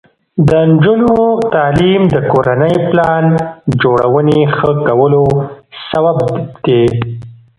د نجونو تعلیم د کورنۍ پلان جوړونې ښه کولو سبب دی.